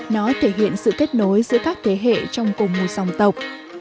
nó thể hiện sự kết nối giữa các thế hệ trong cùng một dòng tộc